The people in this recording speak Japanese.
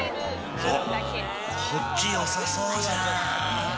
おっ、こっちよさそうじゃん。